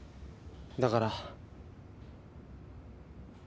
だから。